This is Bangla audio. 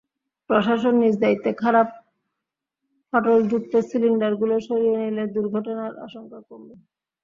প্রশাসন নিজ দায়িত্বে খারাপ, ফাটলযুক্ত সিলিন্ডারগুলো সরিয়ে নিলে দুর্ঘটনার আশঙ্কা কমবে।